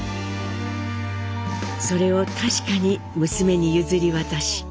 それを確かに娘に譲り渡し